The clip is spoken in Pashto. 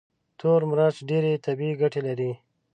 تور مرچ ډېرې طبي ګټې لري.